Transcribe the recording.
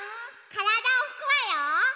からだをふくわよ。